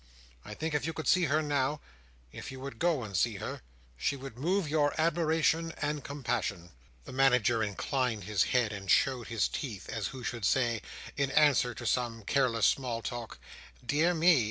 I think if you could see her now—if you would go and see her—she would move your admiration and compassion." The Manager inclined his head, and showed his teeth, as who should say, in answer to some careless small talk, "Dear me!